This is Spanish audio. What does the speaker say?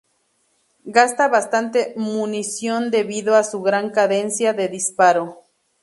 Gasta bastante munición debido a su gran cadencia de disparo.